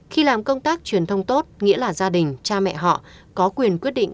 khi làm công tác truyền thông tốt nghĩa là gia đình cha mẹ họ có quyền quyết định